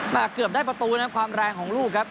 เกือบได้ประตูนะความแรงของลูกครับ